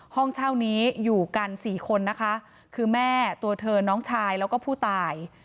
ห้องเช่านี้อยู่กันสี่คนนะคะคือแม่ตัวเธอน้องชายแล้วก็ผู้ตาย